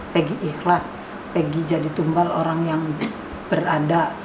pegi ikhlas pergi jadi tumbal orang yang berada